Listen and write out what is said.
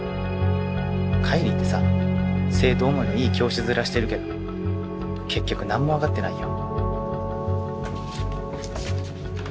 海里ってさ生徒思いのいい教師面してるけど結局何も分かってないよ。